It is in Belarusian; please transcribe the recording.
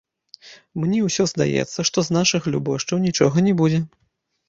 Мне ўсё здаецца, што з нашых любошчаў нічога не будзе.